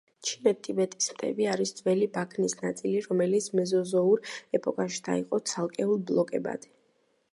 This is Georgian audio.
ჩინეთ-ტიბეტის მთები არის ძველი ბაქნის ნაწილი, რომელიც მეზოზოურ ეპოქაში დაიყო ცალკეულ ბლოკებად.